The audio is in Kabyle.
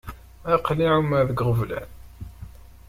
Aql-i εummeɣ deg iɣeblan.